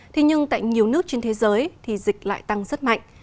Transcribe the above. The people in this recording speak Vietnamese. thế nhưng tại nhiều nước trên thế giới thì dịch lại tăng rất mạnh